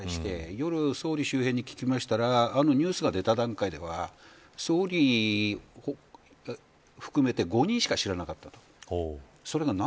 それで僕も含めて各社とも慌てて取材して夜、総理周辺に聞きましたらあのニュースが出た段階では総理含めて５人しか知らなかった。